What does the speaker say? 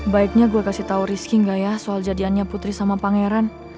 baiknya gue kasih tau rizky nggak ya soal jadiannya putri sama pangeran